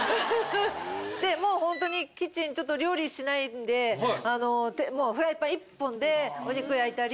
でもうほんとにキッチンちょっと料理しないんでもうフライパン１本でお肉焼いたり。